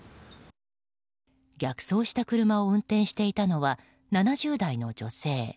逆走した車を運転していたのは７０代の女性。